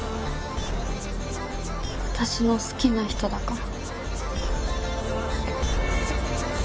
私の好きな人だから。